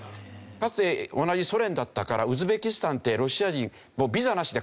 かつて同じソ連だったからウズベキスタンってロシア人。